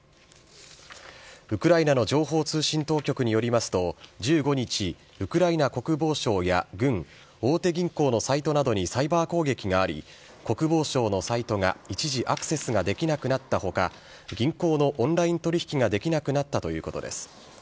ウクライナの情報通信当局によりますと、１５日、ウクライナ国防省や軍、大手銀行のサイトなどにサイバー攻撃があり、国防省のサイトが一時、アクセスができなくなったほか、銀行のオンライン取り引きができなくなったということです。